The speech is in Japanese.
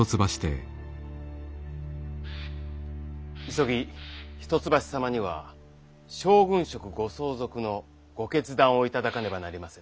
急ぎ一橋様には将軍職ご相続のご決断を頂かねばなりませぬ。